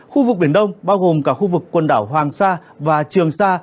khu vực biển đông bao gồm cả khu vực quần đảo hoàng sa và trường sa